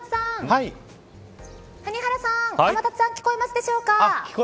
谷原さん、天達さん聞こえますでしょうか。